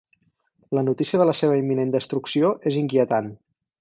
La notícia de la seva imminent destrucció és inquietant.